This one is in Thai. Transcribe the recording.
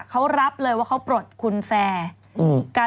เอามันเรียกเป็นคุณปุ๊ก